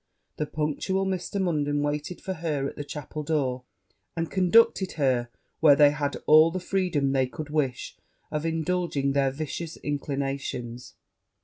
The punctual Mr. Munden waited for her at the chapel door, and conducted her where they had all the freedom they could wish of indulging their vicious inclinations.